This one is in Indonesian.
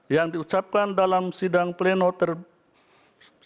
yang diucapkan dalam sidang pleno tersebut